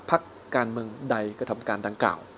ภักร์การเมืองใดกระทำการตามเก่า